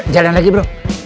jalan lagi bro